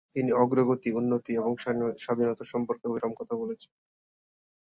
তিনি অগ্রগতি, উন্নতি এবং স্বাধীনতা সম্পর্কে অবিরাম কথা বলেছেন।